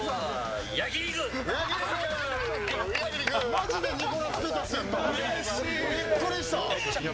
マジでニコラス・ペタスやったわ。